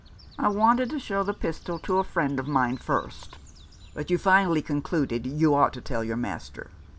" "I wanted to show the pistol to a friend of mine first." "But you finally concluded you ought to tell your master?"